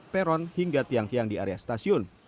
peron hingga tiang tiang di area stasiun